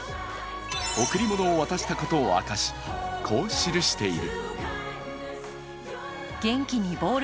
贈り物を渡したことを明かし、こう記している。